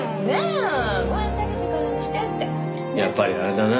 やっぱりあれだな。